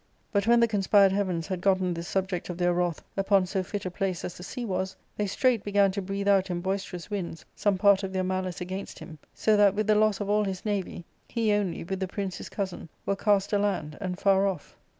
But when the conspired heavens had gotten this subject of their wrath upon so fit a place as the sea was, they straight began to breathe out in boisterous winds some part of their malice against him, so that with the loss of all his navy, he only, with the prince his cousin, were cast aland,* and far off.